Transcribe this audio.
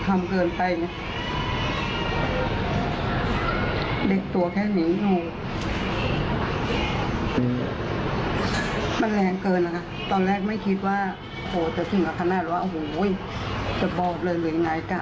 โอ้โหแล้วเป็นอาสาสมัครตำรวจบ้าน